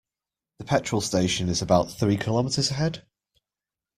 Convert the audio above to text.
The petrol station is about three kilometres ahead